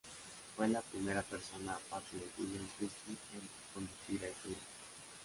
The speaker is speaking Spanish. Fue la primera persona aparte de William Christie en conducir a este grupo.